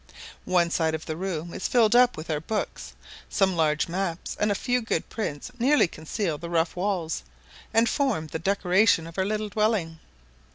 One side of the room is filled up with our books. Some large maps and a few good prints nearly conceal the rough walls, and form the decoration of our little dwelling.